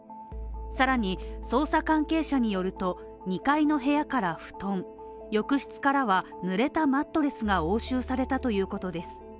さらに、捜査関係者によると、２階の部屋から布団、浴室からは、濡れたマットレスが押収されたということです。